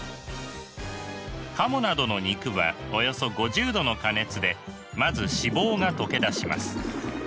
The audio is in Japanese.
カモなどの肉はおよそ５０℃の加熱でまず脂肪が溶け出します。